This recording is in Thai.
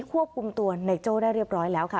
ควบคุมตัวในโจ้ได้เรียบร้อยแล้วค่ะ